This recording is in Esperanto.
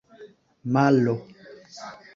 malo